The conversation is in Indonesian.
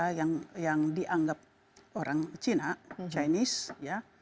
pemiliki konsesi kepada mereka yang dianggap orang cina chinese